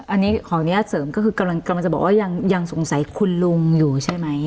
อันนี้ขออนุญาตเสริมก็คือกำลังจะบอกว่ายังสงสัยคุณลุงอยู่ใช่ไหม